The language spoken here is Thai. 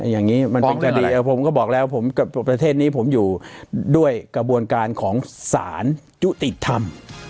อย่างนี้มันเป็นคดีผมก็บอกแล้วผมกับประเทศนี้ผมอยู่ด้วยกระบวนการของศาลยุติธรรม